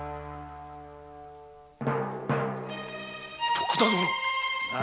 徳田殿何？